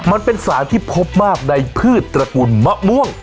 มันเป็นสารที่พบมากในพืชตระกุลมะม่วง